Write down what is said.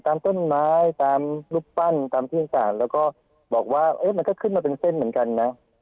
ตามต้นไม้ตามรูปปั้นตามที่ต่างแล้วก็บอกว่ามันก็ขึ้นมาเป็นเส้นเหมือนกันนะ